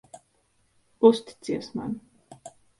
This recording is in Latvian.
Uzticies man.